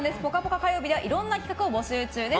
火曜日ではいろんな企画を募集中です。